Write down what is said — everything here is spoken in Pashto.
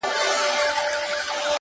ما چي د هيلو د اختر شېبې ـ شېبې شچيرلې-